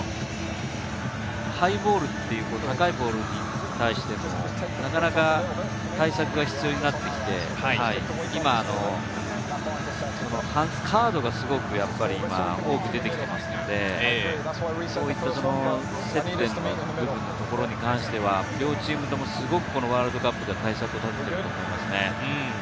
ハイボールという高いボールに対して、なかなか対策が必要になってきて、今カードがすごく多く出てきていますので、こういった攻めるところに関しては両チームともすごくワールドカップに対策を立てていると思いますね。